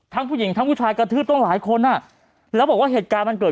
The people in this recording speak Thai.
ผู้หญิงทั้งผู้ชายกระทืบต้องหลายคนอ่ะแล้วบอกว่าเหตุการณ์มันเกิด